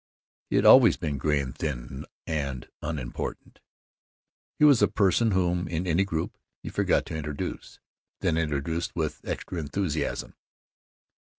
He had always been gray and thin and unimportant. He was the person whom, in any group, you forgot to introduce, then introduced with extra enthusiasm.